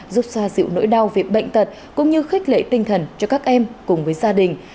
giúp xoa dịu nỗi đau về bệnh tật cũng như khích lệ tinh thần cho các em cùng với gia đình